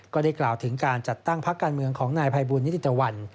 ก็ได้กล่าวถึงการจัดตั้งพักการเมืองของนายภัยบูลนิติตะวัน